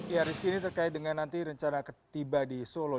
ya rizky ini terkait dengan nanti rencana tiba di solo